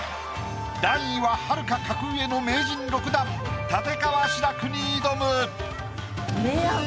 段位ははるか格上の名人６段立川志らくに挑む。